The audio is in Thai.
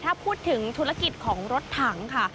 ถ้าพูดถึงธุรกิจของรถถังค่ะ